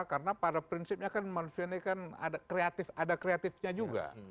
karena pada prinsipnya kan manusia ini kan ada kreatifnya juga